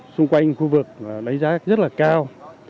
xung quanh khu vực lấy giá rất là cao